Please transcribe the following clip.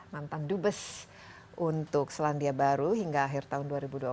mantan dubes untuk selandia baru hingga akhir tahun dua ribu dua puluh